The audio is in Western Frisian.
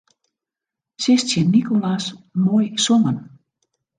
Sis tsjin Nicolas: Moai songen.